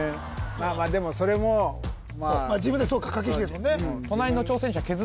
まあまあでもそれも自分でそうか駆け引きですもんね